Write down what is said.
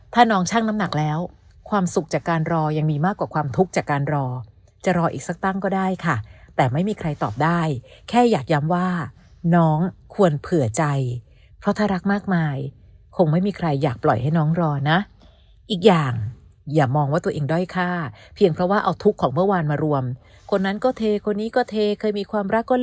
ถ้าน้องช่างน้ำหนักแล้วความสุขจากการรอยังมีมากกว่าความทุกข์จากการรอจะรออีกสักตั้งก็ได้ค่ะแต่ไม่มีใครตอบได้แค่อยากย้ำว่าน้องควรเผื่อใจเพราะถ้ารักมากมายคงไม่มีใครอยากปล่อยให้น้องรอนะอีกอย่างอย่ามองว่าตัวเองด้อยค่าเพียงเพราะว่าเอาทุกข์ของเมื่อวานมารวมคนนั้นก็เทคนนี้ก็เทเคยมีความรักก็